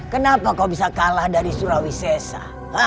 kenapa kau bisa kalah dari surawi sesa